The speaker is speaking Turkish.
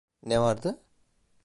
Ne vardı?